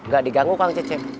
gak diganggu kang cecep